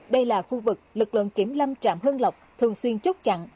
đây là khu vực lực lượng kiểm lâm trạm hương lộc thường xuyên chốt chặn